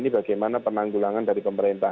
bagaimana penanggulangan dari pemerintah